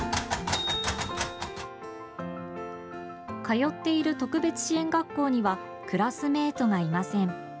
通っている特別支援学校にはクラスメートがいません。